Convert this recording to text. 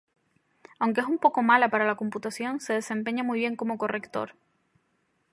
Aunque es un poco mala para la computación, se desempeña muy bien como Corrector.